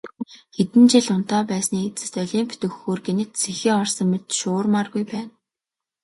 Хэдэн жил унтаа байсны эцэст олимп дөхөхөөр гэнэт сэхээ орсон мэт шуурмааргүй байна.